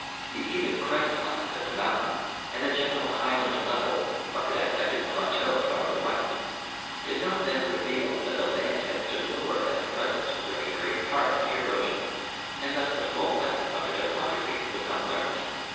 The even crest lines of the mountains and the general highland level of the dissected plateau farther west did not then reveal that the land had stood lower than at present during a great part of the erosion, and thus the full lesson of the topography was not learned.